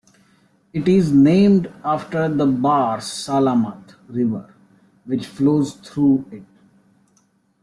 It is named after the Bahr Salamat River which flows through it.